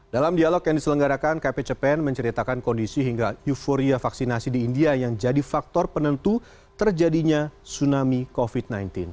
dalam dialog yang diselenggarakan kpcpen menceritakan kondisi hingga euforia vaksinasi di india yang jadi faktor penentu terjadinya tsunami covid sembilan belas